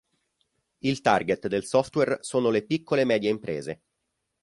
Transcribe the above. Il target del software sono le piccole-medie imprese.